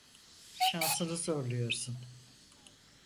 Şansını zorluyorsun.